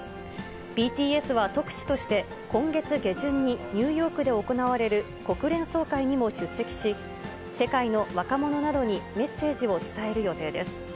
ＢＴＳは特使として、今月下旬にニューヨークで行われる国連総会にも出席し、世界の若者などにメッセージを伝える予定です。